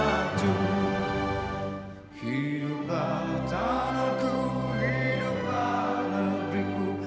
indonesia raya merdeka merdeka